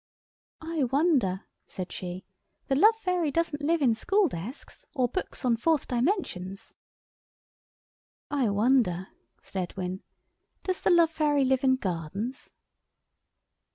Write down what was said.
"I wonder!" said she. "The Love Fairy doesn't live in schooldesks or books on Fourth Dimensions." "I wonder!" said Edwin. "Does the Love Fairy live in gardens?"